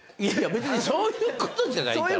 別にそういうことじゃないから。